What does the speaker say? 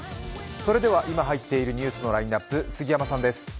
それでは今入っているニュースのラインナップ、杉山さんです。